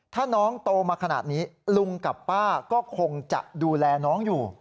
ถ้าน้องโตมาขนาดนี้ลุงกับป้าก็คงจะดูแลน้องอยู่